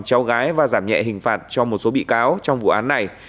cháu gái và giảm nhẹ hình phạt cho một số bị cáo trong vụ án này